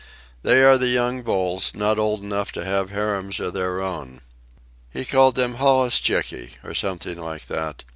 They are the young bulls, not old enough to have harems of their own. He called them the holluschickie, or something like that.